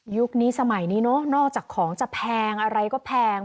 ยุคนี้สมัยนี้เนอะนอกจากของจะแพงอะไรก็แพง